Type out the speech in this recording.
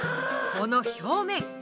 この表面！